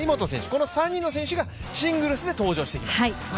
この３人の選手がシングルスで登場してきます。